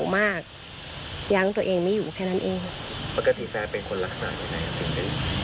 มากยังตัวเองไม่อยู่แค่นั้นเองค่ะปกติแฟนเป็นคนลักษณะยังไงครับ